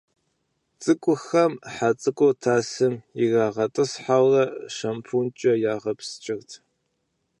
Цӏыкӏухэм хьэ цӀыкӀур тасым ирагъэтӀысхьэурэ шампункӀэ ягъэпскӀырт.